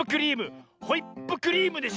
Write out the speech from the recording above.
「ホイップクリーム」でしょ。